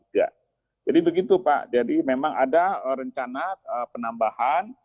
jadi begitu pak jadi memang ada rencana penambahan